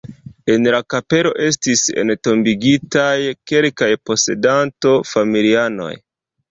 En la kapelo estis entombigitaj kelkaj posedanto-familianoj.